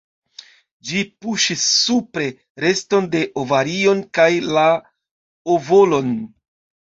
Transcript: Ĝi puŝis supre reston de ovarion kaj la ovolon.